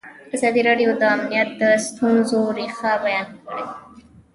ازادي راډیو د امنیت د ستونزو رېښه بیان کړې.